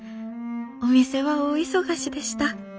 お店は大忙しでした」。